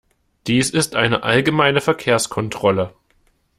Dies ist eine allgemeine Verkehrskontrolle.